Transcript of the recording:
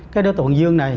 cái đối tượng dương này